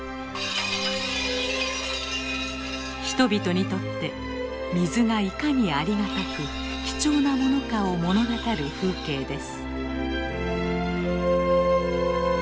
人々にとって水がいかにありがたく貴重なものかを物語る風景です。